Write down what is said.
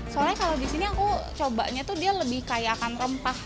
soalnya kalau di sini aku cobanya tuh dia lebih kayak akan rempah